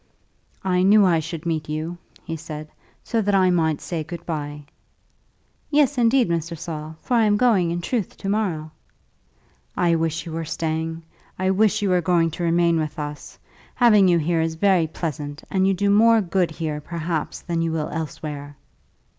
"I knew I should meet you," he said, "so that I might say good by." "Yes, indeed, Mr. Saul, for I am going in truth, to morrow." "I wish you were staying. I wish you were going to remain with us. Having you here is very pleasant, and you do more good here, perhaps, than you will elsewhere."